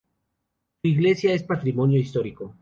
Su iglesia es patrimonio histórico.